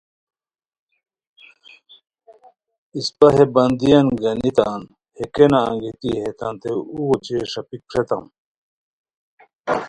اسپہ ہے بندیان گانی تان ہے کینہ انگیتی ہیتانتے اوغ اوچے ݰاپیک پھریتام